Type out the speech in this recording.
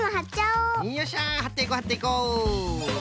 よっしゃはっていこうはっていこう。